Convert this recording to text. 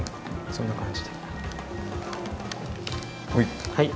そんな感じで。